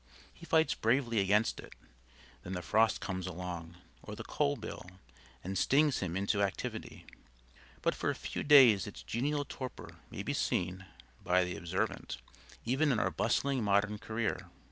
He fights bravely against it; then the frost comes along, or the coal bill, and stings him into activity. But for a few days its genial torpor may be seen (by the observant) even in our bustling modern career.